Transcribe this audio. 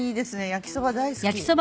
焼きそば大好き。